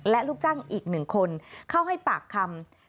และลูกจ้างอีก๑คนเข้าให้ปากคำ